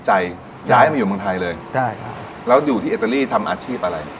ใช่จ่ายมาอยู่เมืองไทยเลยแล้วอยู่ที่เอตาลีทำอาชีพอะไร